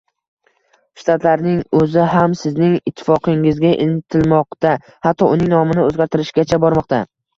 Shtatlarning o'zi ham sizning ittifoqingizga intilmoqda, hatto uning nomini o'zgartirishgacha bormoqda